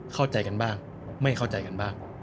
เข้าใจกันบ้างไม่เข้าใจกันบ้าง